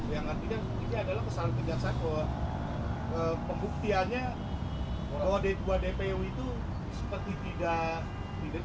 yang artinya ini adalah kesalahan kejaksaan bahwa pembuktiannya bahwa d dua dpo itu seperti tidak